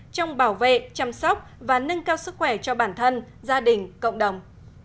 trong bảo vệ chăm sóc và nâng cao sức khỏe cho bản thân gia đình cộng đồng